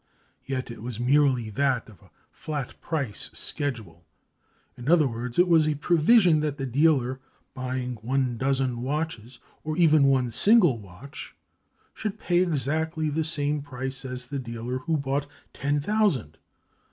Yet it was merely that of a flat price schedule; in other words, it was a provision that the dealer buying one dozen watches, or even one single watch, should pay exactly the same price as the dealer who bought ten thousand.